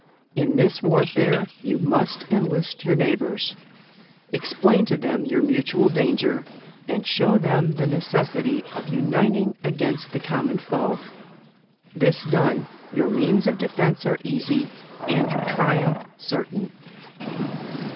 In this warfare you must en list your neighbours ; explain to them your mutual danger, and show them the necessity of uniting against the common foe ; this done, your means of defence are easy, and your triumph certain.